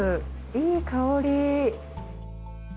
いい香り。